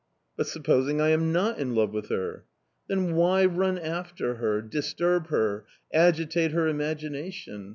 "But supposing I am not in love with her?" "Then why run after her, disturb her, agitate her imagination!...